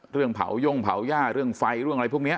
เรื่องเผาย่งเผาหญ้าเรื่องไฟเรื่องอะไรพวกนี้